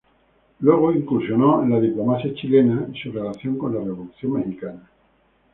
Luego incursionó en la diplomacia chilena y su relación con la Revolución mexicana.